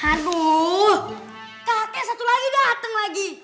aduh kakek satu lagi datang lagi